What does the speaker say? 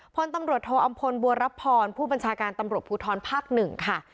พลตำรวจโทอำพลบัวรับพรผู้บัญชาการตำรวจภูทรภาค๑ค่ะ